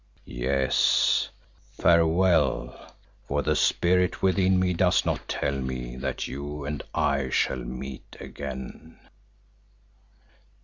Yes, farewell, for the spirit within me does not tell me that you and I shall meet again."